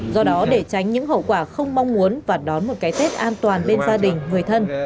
do đó để tránh những hậu quả không mong muốn và đón một cái tết an toàn bên gia đình người thân